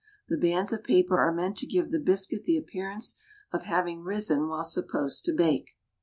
The bands of paper are meant to give the biscuit the appearance of having risen while supposed to bake.